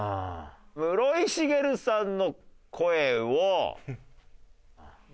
室井滋さんの声を。